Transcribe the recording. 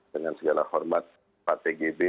dengan segala hormat pak tgb